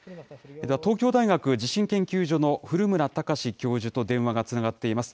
では東京大学地震研究所のふるむらたかし教授と電話がつながっています。